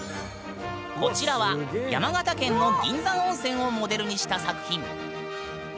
こちらは山形県の銀山温泉をモデルにした作品。